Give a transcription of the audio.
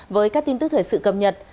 với các tin tức thời sự cập nhật